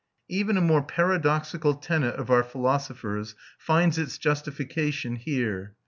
Even a more paradoxical tenet of our philosopher's finds it justification here.